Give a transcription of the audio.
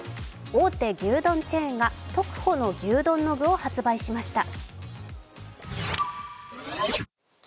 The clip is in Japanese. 大手牛丼チェーンが特保の牛丼の具を発売しました。